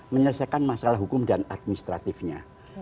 menyelesaikan masalah hukum dan administratifnya